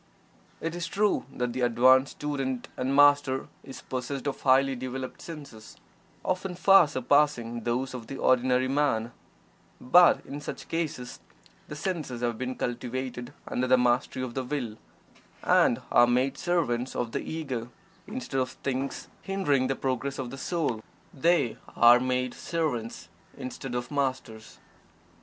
It is true that the advanced student and Master is possessed of highly developed senses, often far surpassing those of the ordinary man, but in such cases the senses have been cultivated under the mastery of the Will, and are made servants of the Ego instead of things hindering the progress of the soul they are made servants instead of masters.